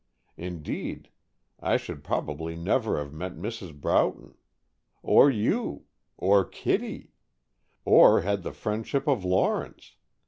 Indeed, I should probably never have met Mrs. Broughton! Or you! Or Kittie! Or had the friendship of Lawrence.